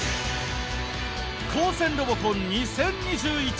「高専ロボコン２０２１」